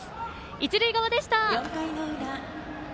一塁側でした。